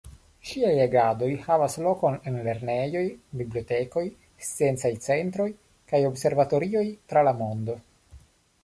Ŝiaj agadoj havas lokon en lernejoj, bibliotekoj, sciencaj centroj kaj observatorioj tra la mondo.